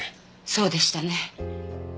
そうでしたね。は？